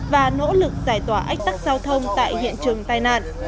và nỗ lực giải tỏa ách tắc giao thông tại hiện trường tai nạn